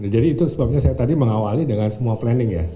jadi itu sebabnya saya tadi mengawali dengan semua planning ya